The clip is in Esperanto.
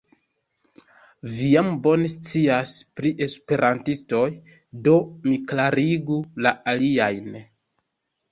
Vi jam bone scias pri esperantistoj, do mi klarigu la aliajn.